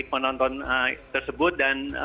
penonton tersebut dan